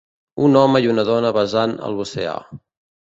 un home i una dona besant a l'oceà